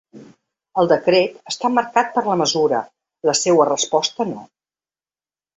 El decret està marcat per la mesura, la seua resposta no.